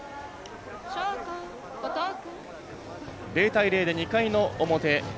０対０で２回の表。